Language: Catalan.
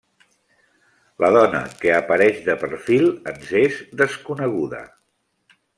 La dona que apareix de perfil ens és desconeguda.